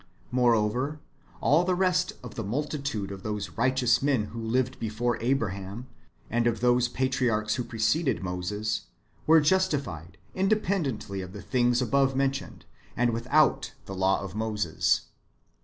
Moreover, all the rest of the multitude of those righteous men who lived before Abraham, and of those patriarchs who preceded Moses, were justified independently of the things above mentioned, and without the law of Moses.